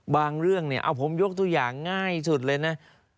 เรื่องเนี่ยเอาผมยกตัวอย่างง่ายสุดเลยนะ